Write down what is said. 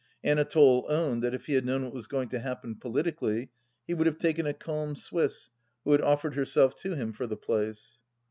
Anatole owned that if he had known what was going to happen, politically, he would have taken a calm Swiss who had offered herself to him for the place.